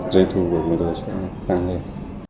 dân thù của chúng tôi sẽ tăng lên